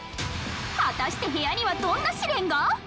果たして部屋にはどんな試練が？